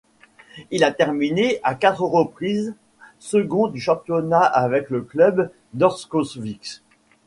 Il a terminé à quatre reprises second du championnat avec le club d'Örnsköldsvik.